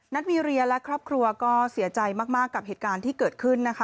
วีเรียและครอบครัวก็เสียใจมากกับเหตุการณ์ที่เกิดขึ้นนะคะ